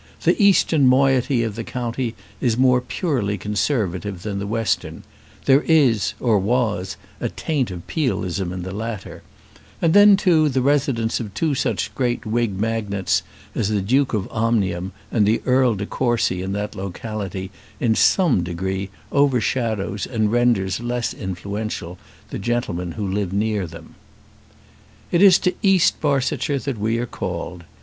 The eastern moiety of the county is more purely Conservative than the western; there is, or was, a taint of Peelism in the latter; and then, too, the residence of two such great Whig magnates as the Duke of Omnium and the Earl de Courcy in that locality in some degree overshadows and renders less influential the gentlemen who live near them. It is to East Barsetshire that we are called.